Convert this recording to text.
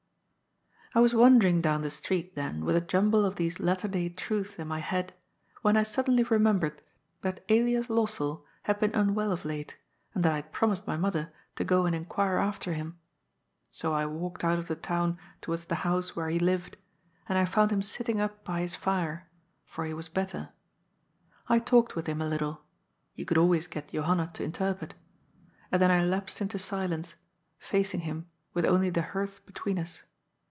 I was wandering down the street, then, with a jumble of these latter day truths in my head, when I suddenly remembered that Elias Lossell had been unwell of late, and that I had promised my mother to go and inquire after him. So I walked out of the town towards the house where he^ lived, and I found him sitting up by his fire, for he was better. I talked with him a little — you could always get Johanna to interpret — and then I lapsed into silence, facing him, with only the hearth between us.